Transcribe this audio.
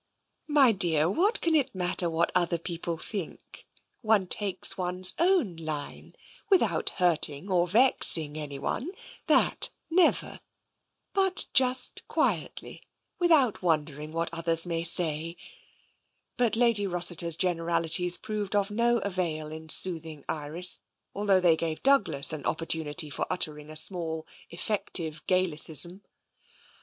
" My dear, what can it matter what other people think? One takes one's own line, without hurting or vexing anyone — that, never — but just quietly, without wondering what others may say " But Lady Rossiter's generalities proved of no avail in it it TENSION 20I soothing Iris, although they gave Douglas an oppor tunity for uttering a small effective Gaelicism.